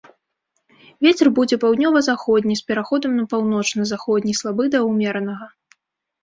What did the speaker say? Вецер будзе паўднёва-заходні з пераходам на паўночна-заходні, слабы да ўмеранага.